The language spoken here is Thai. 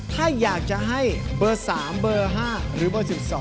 ถ้าอยากจะให้เบอร์๓เบอร์๕หรือเบอร์๑๒